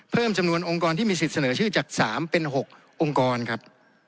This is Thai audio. เพิ่มจำนวนองค์กรที่มีสิทธิ์เสนอชื่อจาก๓เป็น๖องค์กรครับ